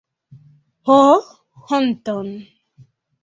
Ho honton!